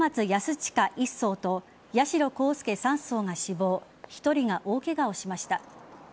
親１曹と八代航佑３曹が死亡１人が大ケガをしました。